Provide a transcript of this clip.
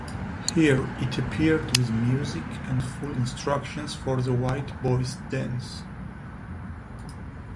Here it appeared with music and full instructions for the White Boys Dance.